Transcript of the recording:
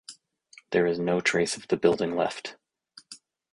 There is no trace of the building left.